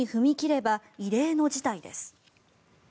組合側がストに踏み切れば異例の事態です。